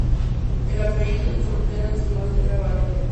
El apellido de soltera de su madre era Baron.